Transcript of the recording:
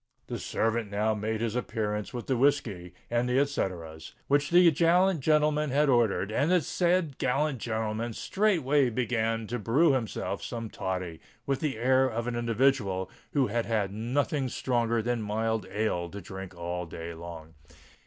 The servant now made his appearance with the whiskey and the et ceteras which the gallant gentleman had ordered; and the said gallant gentleman straightway began to brew himself some toddy, with the air of an individual who had had nothing stronger than mild ale to drink all day long.